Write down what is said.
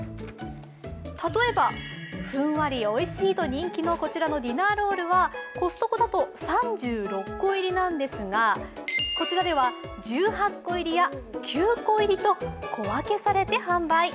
例えばふんわりおいしいと人気のこちらのディナーロールはコストコだと３６個入りなんですがこちらでは１８個入りや９個入りと、小分けされて販売。